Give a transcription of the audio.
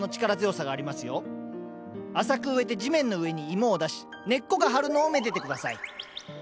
浅く植えて地面の上にイモを出し根っこが張るのをめでて下さい。